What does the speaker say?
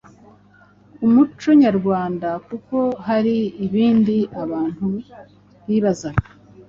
ku muco nyarwanda kuko hari ibindi abantu bibazaga